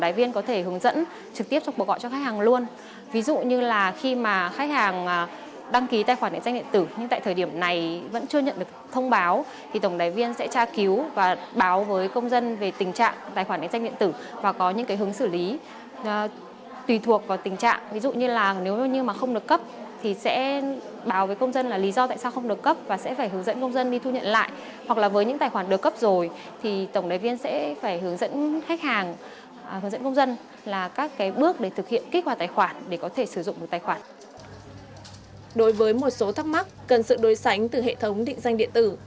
đối với một số thắc mắc cần sự đối sánh từ hệ thống định danh điện tử